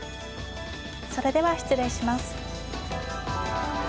それでは失礼します。